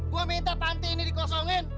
gue minta panti ini dikosongin